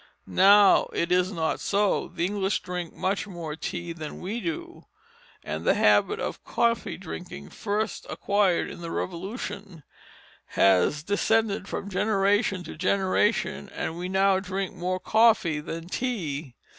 Now it is not so. The English drink much more tea than we do; and the habit of coffee drinking, first acquired in the Revolution, has descended from generation to generation, and we now drink more coffee than tea.